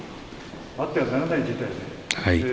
あってはならない事態です。